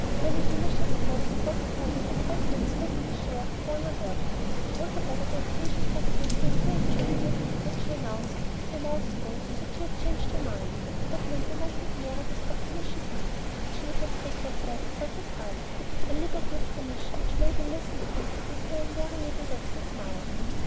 Many delicious crumbs and odd corners and fragments fell to the share of the younger workers; and altogether the occasion struck Amy as so enjoyable that she announced with her mouth full that she had changed her mind, and that Mabel might get married as often as she pleased, if she would have cake like that every time, a liberality of permission which Mabel listened to with her invariable waxen smile.